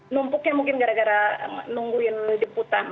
numpuknya mungkin gara gara nungguin jeputan